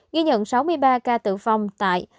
ghi nhận sáu mươi ba ca tử vong tại